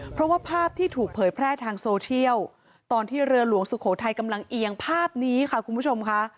เพราะว่าภาพที่ถูกเผยแพร่ทางโซเชียลตอนที่เรือหลวงสุโขทัยกำลังเอียงภาพนี้ค่ะคุณผู้ชมค่ะ